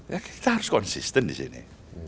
ya kita harus konsisten di sini